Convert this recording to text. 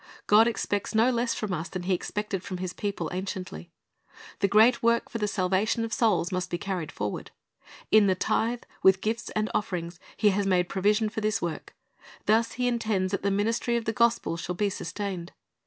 God expects no less from us than He expected from His people anciently. The great work for the salvation of souls must be carried forward. In the tithe, with gifts and offerings, He has made provision for this work. Thus He intends that the ministry of the gospel shall be sustained.